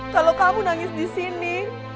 kalau kamu nangis disini